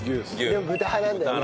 でも豚派なんだよね。